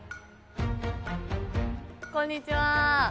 こんにちは。